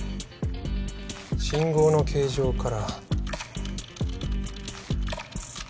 信号の形状から。